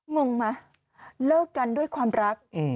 งงไหมเลิกกันด้วยความรัก